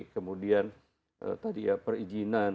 kemudian tadi ya perizinan